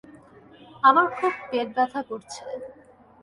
আমার খুব পেট ব্যাথা করছে।